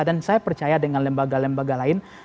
dan saya percaya dengan lembaga lembaga lain